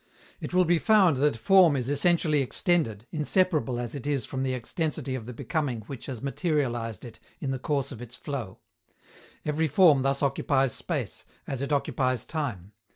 It will be found that form is essentially extended, inseparable as it is from the extensity of the becoming which has materialized it in the course of its flow. Every form thus occupies space, as it occupies time.